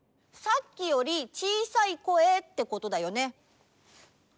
さっきよりちいさい声ってことだよね。